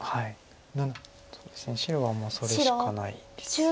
そうですね白はもうそれしかないです。